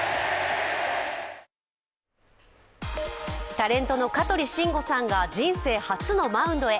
タレントの香取慎吾さんが人生初のマウンドへ。